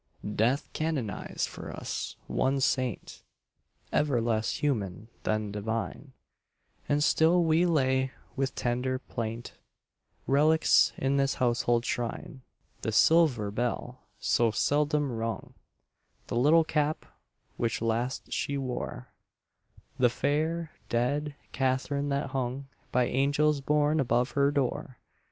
Death canonized for us one saint, Ever less human than divine, And still we lay, with tender plaint, Relics in this household shrine The silver bell, so seldom rung, The little cap which last she wore, The fair, dead Catherine that hung By angels borne above her door.